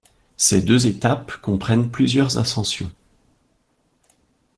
Ces deux étapes comprennent plusieurs ascensions.